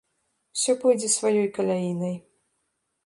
Усё пойдзе сваёй каляінай.